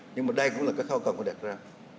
nhưng mà đây cũng là cái khóa còn phải đặt ra